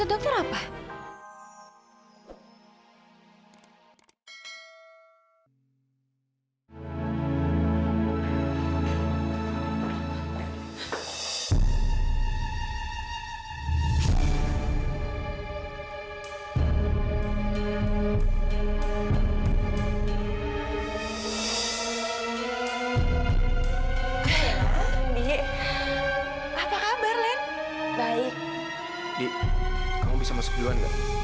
di kamu bisa masuk duluan nggak